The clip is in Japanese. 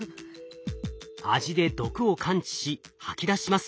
味で毒を感知し吐き出します。